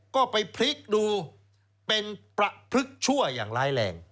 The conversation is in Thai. ก็ไปพลิกดูเป็นประพฤกษั่วอย่างร้ายแรง